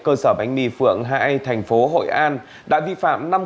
cơ sở bánh mì phượng hai a thành phố hội an đã vi phạm